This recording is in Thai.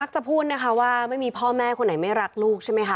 จะพูดนะคะว่าไม่มีพ่อแม่คนไหนไม่รักลูกใช่ไหมคะ